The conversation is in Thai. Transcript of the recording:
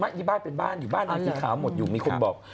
มีครัวอีบ้าเต็มบ้านบ้านขยันขาวหมดอยู่มีคนบอก